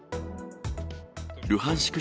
ルハンシク